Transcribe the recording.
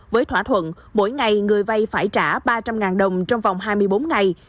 với thỏa thuận mỗi ngày người vay phải trả ba trăm linh đồng trong vòng hai mươi bốn ngày